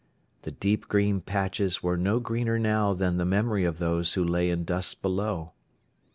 The deep green patches were no greener now than the memory of those who lay in dust below.